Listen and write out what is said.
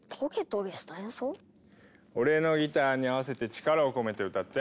俺のギターに合わせて力を込めて歌って。